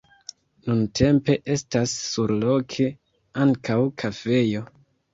Nuntempe estas surloke ankaŭ kafejo.